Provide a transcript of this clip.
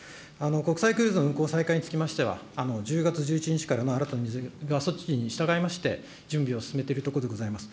国際クルーズの国際化については、１０月１１日から新たな水際措置にしたがいまして、準備を進めているところでございます。